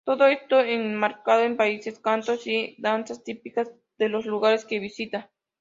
Todo esto enmarcado en paisajes, cantos y danzas típicas de los lugares que visita.